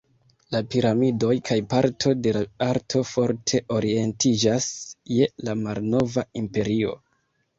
La piramidoj kaj parto de la arto forte orientiĝas je la Malnova Imperio.